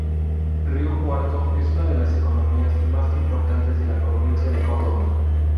Río Cuarto es una de las economías más importantes de la provincia de Córdoba.